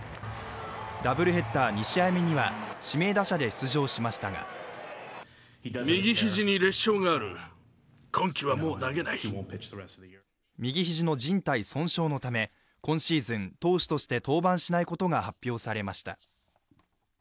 ダブルヘッダー２試合目には指名打者で出場しましたが右肘のじん帯損傷のため、今シーズン、投手として登板しないことが発表されました。